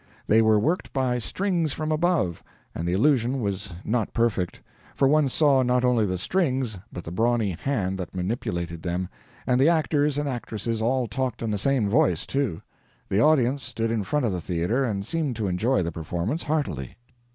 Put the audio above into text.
They were worked by strings from above, and the illusion was not perfect, for one saw not only the strings but the brawny hand that manipulated them and the actors and actresses all talked in the same voice, too. The audience stood in front of the theater, and seemed to enjoy the performance heartily.